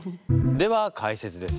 では解説です。